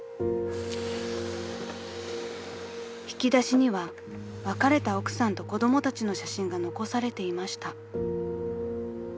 ［引き出しには別れた奥さんと子供たちの写真が残されていました］